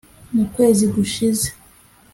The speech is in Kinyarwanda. mu kwezi gushize